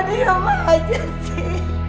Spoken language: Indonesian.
nenek harus sabar ya